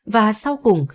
và sau cùng